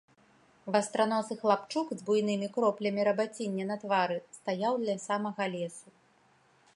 Вастраносы хлапчук з буйнымі кроплямі рабаціння на твары стаяў ля самага лесу.